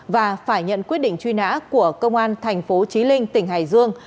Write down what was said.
và phải nhận quyết định truy nã của công an thành phố trí linh tỉnh hải dương